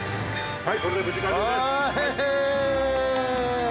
はい！